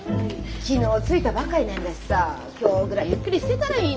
昨日着いたばかりなんだしさ今日ぐらいゆっくりしてたらいいのに。